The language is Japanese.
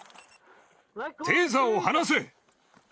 テーザーを離せ！